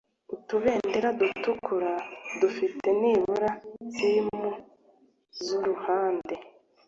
Utubendera dutukura dufite nibura cm z’uruhande